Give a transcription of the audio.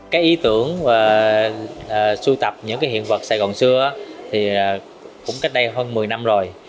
cái ý tưởng và sưu tập những cái hiện vật sài gòn xưa thì cũng cách đây hơn một mươi năm rồi